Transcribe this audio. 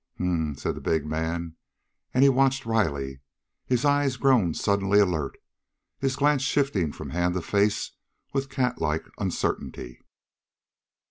"H'm," said the big man, and he watched Riley, his eyes grown suddenly alert, his glance shifting from hand to face with catlike uncertainty.